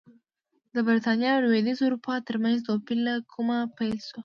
د برېټانیا او لوېدیځې اروپا ترمنځ توپیر له کومه پیل شو